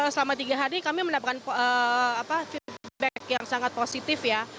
selama tiga hari kami mendapatkan feedback yang sangat positif ya